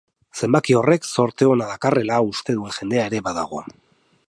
Zenbaki horrek zorte ona dakarrela uste duen jendea ere badago.